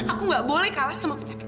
aku nggak boleh kalah semakin sakit kak